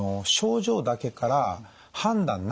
症状だけから判断